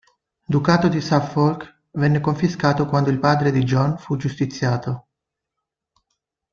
Ducato di Suffolk venne confiscato quando il padre di John fu giustiziato.